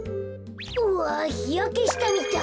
うわひやけしたみたい。